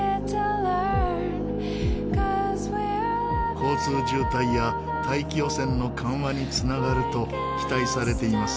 交通渋滞や大気汚染の緩和に繋がると期待されています。